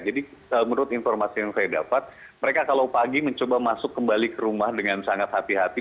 jadi menurut informasi yang saya dapat mereka kalau pagi mencoba masuk kembali ke rumah dengan sangat hati hati